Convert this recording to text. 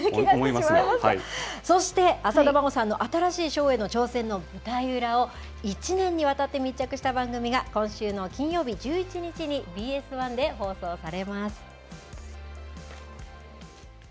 そして、浅田真央さんの新しいショーへの挑戦の舞台裏を、１年にわたって密着した番組が、今週の金曜日１１日に、ＢＳ１で放送されます。